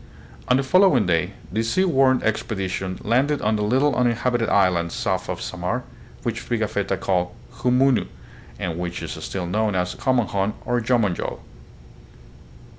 On the following day the sea worn ex pedition landed on a little uninhabited island south of Samar which Pigafetta called Humunu, and which is still known as Homonhon or Jomonjol.